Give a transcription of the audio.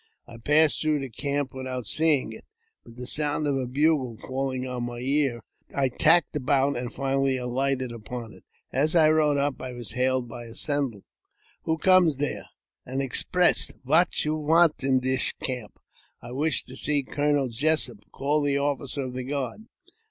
I passed through the camp without seeing it ; but the sound of a bugle falling on my ear, I tacked about, and finally alighted upon it. As I rode up I was hailed by a sentinel —" Who come dere ?"" An express." " Vat you vant in dish camp ?"" I wish to see Colonel Jessup. Call the officer of th guard."